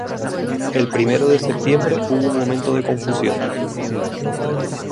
El primero de septiembre hubo un momento de confusión.